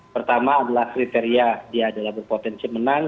pertama adalah kriteria dia adalah berpotensi menang